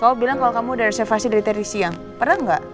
kau bilang kalau kamu udah reservasi dari teri siang pernah gak